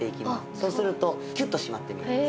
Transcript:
そうするとキュッと締まって見えます。